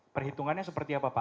perhitungannya seperti apa pak